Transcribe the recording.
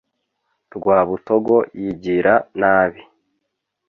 rwabutogo yigira nabi.